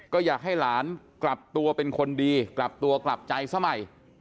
ก็อยากให้หลานกลับตัวเป็นคนดีกลับตัวกลับใจซะใหม่